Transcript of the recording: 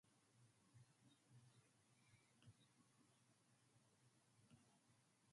Most speedway dirt competitors reside in the South.